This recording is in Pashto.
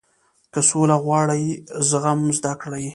• که سوله غواړې، زغم زده کړه.